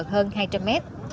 hơn hai trăm linh mét